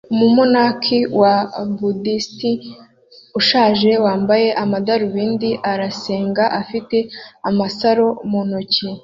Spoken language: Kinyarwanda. Umumonaki wa Budisti ushaje wambaye amadarubindi arasenga afite amasaro mu ntoki